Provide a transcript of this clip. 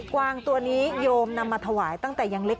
วางตัวนี้โยมนำมาถวายตั้งแต่ยังเล็ก